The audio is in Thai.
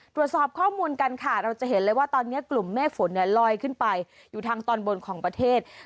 ตรวจสอบข้อมูลกันค่ะเราจะเห็นเลยว่าตอนนี้กลุ่มเมฆฝนลอยขึ้นไปอยู่ทางตอนบนของประเทศ